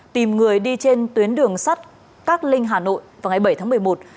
tìm người đi trên tuyến đường sắt cát linh hà nội vào ngày bảy tháng một mươi một